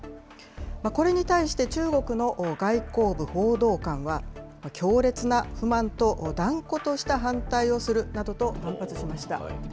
これに対して中国の外交部報道官は、強烈な不満と断固とした反対をするなどと、反発しました。